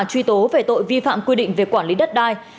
truy tố về tội vi phạm quy định về quản lý đất đai